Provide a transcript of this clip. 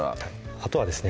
あとはですね